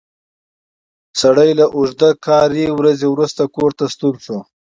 سړی له اوږده کاري ورځې وروسته کور ته ستون شو